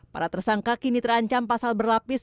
para tersangka kini terancam pasal berlapis